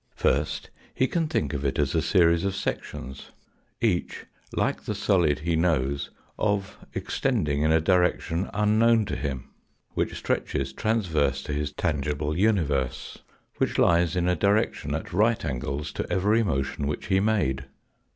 First, he can think of it as a series of sections, each like the solid he knows of extending in a direction unknown to him, which stretches transverse to his tangible universe, which lies in a direction at right angles to every motion which he made.